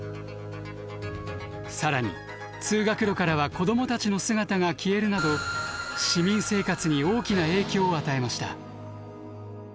更に通学路からは子供たちの姿が消えるなど市民生活に大きな影響を与えました。